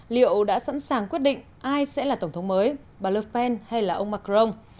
liệu đã sẵn sàng quyết định ai sẽ là tổng thống mới bà le pen hay là ông macron